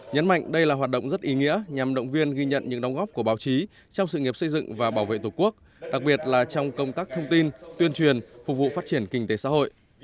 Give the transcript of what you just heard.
nhấn mạnh đây là hoạt động rất ý nghĩa nhằm động viên ghi nhận những đóng góp của báo chí trong sự nghiệp xây dựng và bảo vệ tổ quốc đặc biệt là trong công tác thông tin tuyên truyền phục vụ phát triển kinh tế xã hội